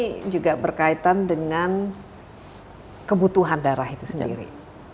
ini juga berkaitan dengan kebutuhan darah itu sendiri